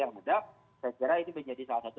yang muda saya kira ini menjadi salah satu